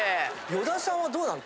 与田さんはどうなの？